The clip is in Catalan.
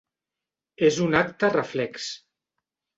És un acte reflex.